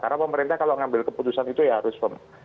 karena pemerintah kalau mengambil keputusan itu ya harus pem